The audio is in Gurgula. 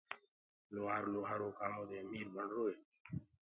لوهآر لوهآرو ڪآمو دي امير بڻروئي